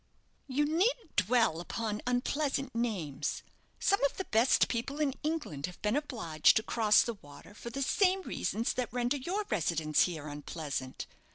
"You needn't dwell upon unpleasant names. Some of the best people in England have been obliged to cross the water for the same reasons that render your residence here unpleasant.